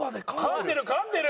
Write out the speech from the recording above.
噛んでる噛んでる！